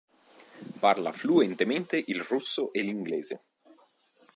Parla fluentemente il russo e l'inglese.